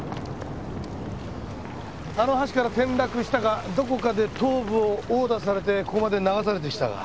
あの橋から転落したかどこかで頭部を殴打されてここまで流されてきたか。